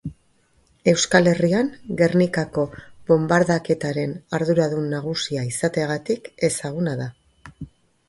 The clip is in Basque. Euskal Herrian Gernikako bonbardaketaren arduradun nagusia izateagatik ezaguna da.